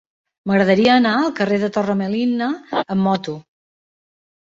M'agradaria anar al carrer de Torre Melina amb moto.